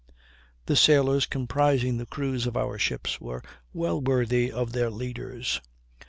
The sailors comprising the crews of our ships were well worthy of their leaders.